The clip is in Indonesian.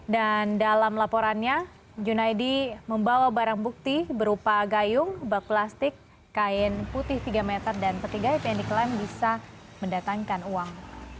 dan dalam laporannya junaidi membawa barang bukti berupa gayung bak plastik kain putih tiga meter dan peti gaib yang diklaim bisa mendatangkan uang